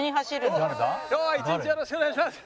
今日は一日よろしくお願いします。